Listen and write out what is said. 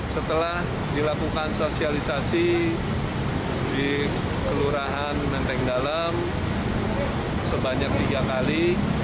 setelah dilakukan sosialisasi di kelurahan menteng dalam sebanyak tiga kali